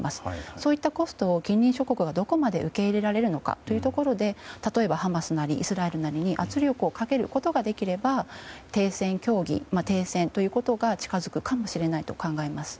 そういったコストを近隣諸国がどこまで受け入れられるかということで例えばハマスなりイスラエルなりに圧力をかけることができれば停戦協議、停戦ということが近づくかもしれないと考えます。